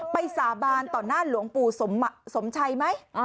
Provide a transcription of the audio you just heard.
สาบานต่อหน้าหลวงปู่สมชัยไหม